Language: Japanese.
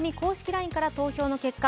ＬＩＮＥから投票の結果